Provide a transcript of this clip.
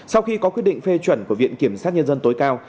sau khi có quyết định phê chuẩn của viện kiểm sát nhân dân tối cao